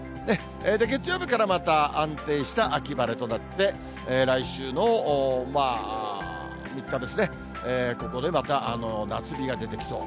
月曜日からまた安定した秋晴れとなって、来週のまあ、３日ですね、ここでまた夏日が出てきそう。